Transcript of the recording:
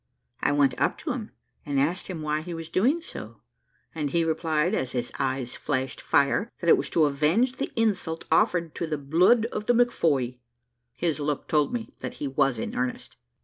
I went up to him and asked him why he was doing so, and he replied, as his eyes flashed fire, that it was to avenge the insult offered to the bluid of McFoy. His look told me that he was in earnest.